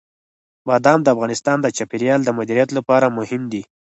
بادام د افغانستان د چاپیریال د مدیریت لپاره مهم دي.